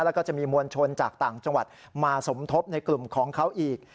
แล้วก็จะมีมวลชนจากต่างจังหวัดมาสมทบในกลุ่มของเขาอีก